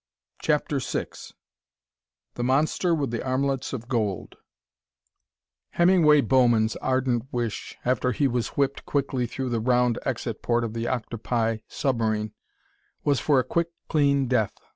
CHAPTER VI The Monster with the Armlets of Gold Hemingway Bowman's ardent wish, after he was whipped quickly through the round exit port of the octopi submarine, was for a quick, clean death.